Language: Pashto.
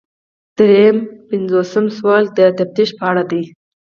درې پنځوسم سوال د تفتیش په اړه دی.